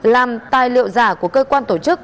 làm tài liệu giả của cơ quan tổ chức